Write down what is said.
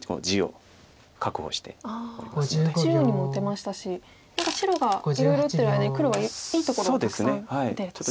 中央にも打てましたし何か白がいろいろ打ってる間に黒はいいところをたくさん打てると。